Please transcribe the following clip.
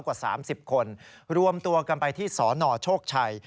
กว่า๓๐คนรวมตัวกันไปที่สนโชคชัย